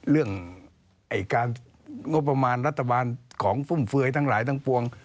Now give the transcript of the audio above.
เรื่องการงบประมาณรัฐบาลของฟุ่มเฟือยทั้งหลายทั้งปวง